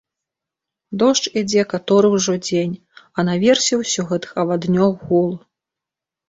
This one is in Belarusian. Дождж ідзе каторы ўжо дзень, а наверсе ўсё гэтых аваднёў гул.